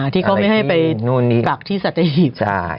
ที่เขาไม่ให้ไปกักที่สัตหีบ